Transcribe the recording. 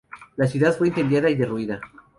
La ciudad fue incendiada y derruida.